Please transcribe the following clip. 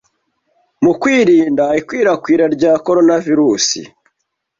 mu kwirinda ikwirakwira rya Koronavirusi